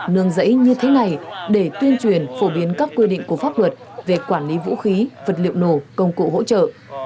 nương dãy như thế này để tuyên truyền phổ biến các quy định của pháp luật về quản lý vũ khí vật liệu nổ công cụ hỗ trợ